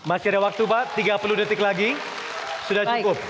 masih ada waktu pak tiga puluh detik lagi sudah cukup